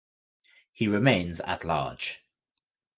He remains at large.